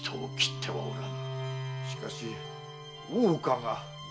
しかし大岡が。